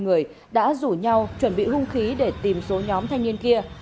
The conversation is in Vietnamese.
ba mươi người đã rủ nhau chuẩn bị hung khí để tìm số nhóm thanh niên kia